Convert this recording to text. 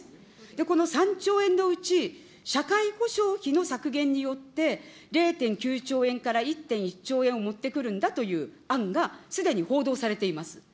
この３兆円のうち、社会保障費の削減によって、０．９兆円から１．１兆円を持ってくるんだという案が、すでに報道されています。